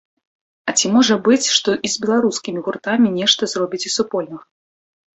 А ці можа быць, што і з беларускімі гуртамі нешта зробіце супольнага?